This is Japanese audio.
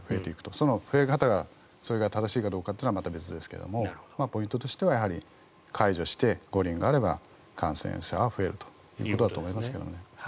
その増え方が正しいかどうかはまた別ですけどもポイントとしては解除して五輪があれば感染者は増えるということだと思いますけどね。